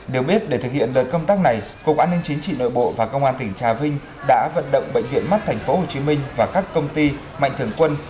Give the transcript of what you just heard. được biết để thực hiện lời công tác này cục an ninh chính trị nội bộ và công an tỉnh trà vinh đã vận động bệnh viện mắt tp hcm và các công ty mạnh thường quân